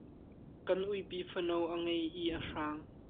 Kan uipi fano a ngei i a hrang.